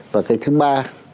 và cái thứ ba